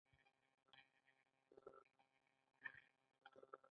موخه یې د ژوند ښه والی دی.